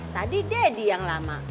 tadi deddy yang lama